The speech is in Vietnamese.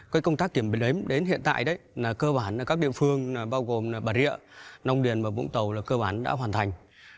công tác kiểm đếm đến hiện tại các địa phương bao gồm bà rịa long điền và vũng tàu cơ bản đã hoàn thành